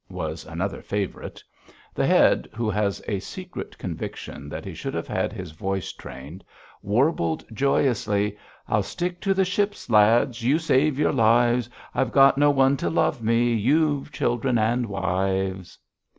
was another favorite. The Head, who has a secret conviction that he should have had his voice trained, warbled joyously: "I'll stick to the ship, lads; You save your lives. I've no one to love me; You've children and wives."